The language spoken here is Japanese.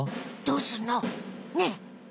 どうすんの？ねえ！